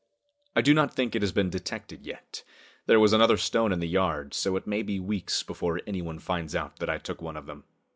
I do not think it has been detected yet. There was another stone in the yard, so it may be weeks before any one finds out that I took one of them.